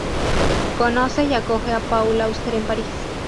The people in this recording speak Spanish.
Conoce y acoge a Paul Auster en París.